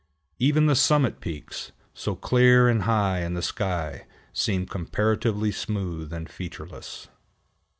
Even the summit peaks, so clear and high in the sky, seem comparatively smooth and featureless.